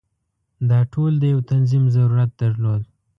دا ټول د یو تنظیم ضرورت درلود.